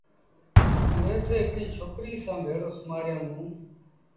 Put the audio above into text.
نيٺ هڪڙيٚ ڇوڪريٚ سآݩ ڀيڙو سُومآريآݩدون۔